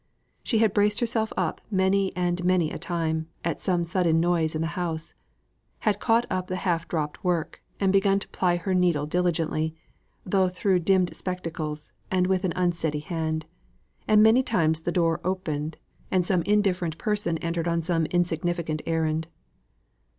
She had braced herself up many and many a time, at some sudden noise in the house; had caught up the half dropped work, and begun to ply her needle diligently, though through dimmed spectacles, and with an unsteady hand! and many times had the door opened, and some indifferent person entered on some insignificant errand.